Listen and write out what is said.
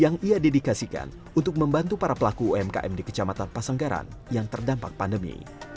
yang ia dedikasikan untuk membantu para pelaku umkm di kecamatan pasanggaran yang terdampak pandemi